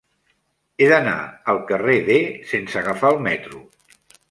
He d'anar al carrer D sense agafar el metro.